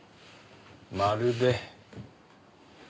まるで。